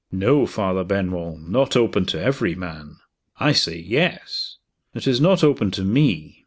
"No, Father Benwell! Not open to every man." "I say, Yes!" "It is not open to Me!"